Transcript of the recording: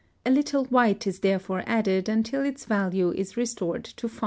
A little white is therefore added until its value is restored to 5.